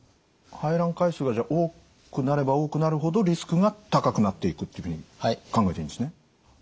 排卵回数がじゃあ多くなれば多くなるほどリスクが高くなっていくっていうふうに考えていいんですね。